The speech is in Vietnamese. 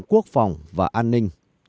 quốc phòng và an ninh